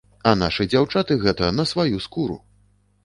А нашы дзяўчаты гэта на сваю скуру!